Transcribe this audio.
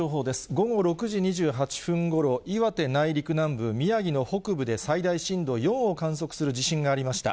午後６時２８分ごろ、岩手内陸南部、宮城の北部で最大震度４を観測する地震がありました。